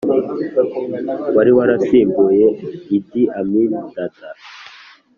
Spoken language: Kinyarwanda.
wari warasimbuye idi amin dada,